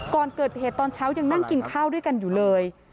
ก่อนเกิดเหตุตอนเช้ายังนั่งกินข้าวด้วยกันอยู่เลย